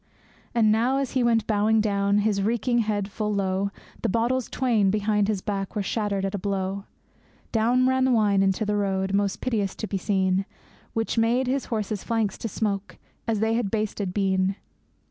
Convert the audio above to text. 'And now, as he went bowing down, His reeking head full low, The bottles twain behind his back Were shattered at a blow Down ran the wine into the road, Most piteous to be seen, Which made his horses' flanks to smoke As they had basted been.